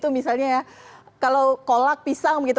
misalnya ya kalau kolak pisang gitu